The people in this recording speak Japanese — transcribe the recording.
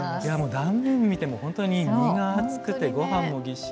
断面見ても本当に身が厚くてごはんもぎっしり。